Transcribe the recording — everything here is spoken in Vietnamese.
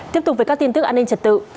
tiếp tục với các tin tức an ninh trật tự